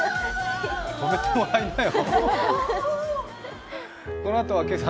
止めてもらいなよ。